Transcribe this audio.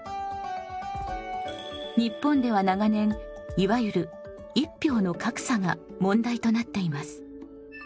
日本では長年いわゆる「一票の格差」が問題となっています。